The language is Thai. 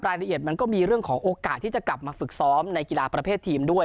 รายละเอียดมันก็มีเรื่องของโอกาสที่จะกลับมาฝึกซ้อมในกีฬาประเภททีมด้วย